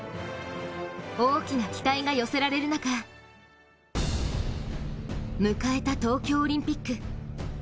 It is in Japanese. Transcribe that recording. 大きな期待が寄せられる中、迎えた東京オリンピック。